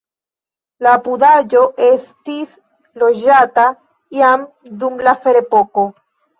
La apudaĵo estis loĝata jam dum la ferepoko.